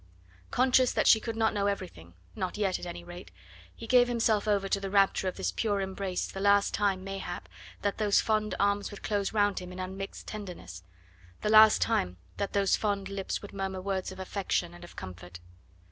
Conscious that she could not know everything not yet, at any rate he gave himself over to the rapture of this pure embrace, the last time, mayhap, that those fond arms would close round him in unmixed tenderness, the last time that those fond lips would murmur words of affection and of comfort.